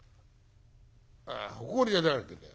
あほこりだらけだよ。